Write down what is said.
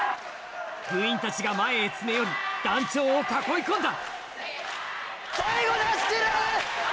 部員たちが前へ詰め寄り団長を囲い込んだ